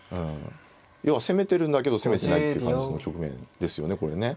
要は攻めてるんだけど攻めてないっていう感じの局面ですよねこれね。